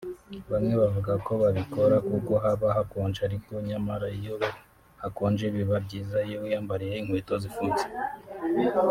Bamwe bavuga ko babikora kuko haba hakonje ariko nyamara iyo hakonje biba byiza iyo wiyambariye inkweto zifunze